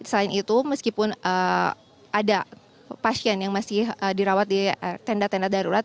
selain itu meskipun ada pasien yang masih dirawat di tenda tenda darurat